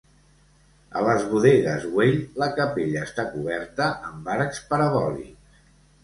A les Bodegues Güell la capella està coberta amb arcs parabòlics.